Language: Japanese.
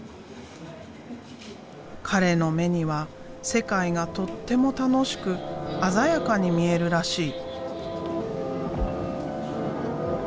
彼の目には世界がとっても楽しく鮮やかに見えるらしい。